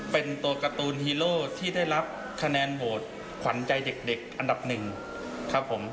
เป็นตัวการ์ตูนฮีโร่ที่ได้รับคะแนนโหวตขวัญใจเด็กอันดับหนึ่งครับผม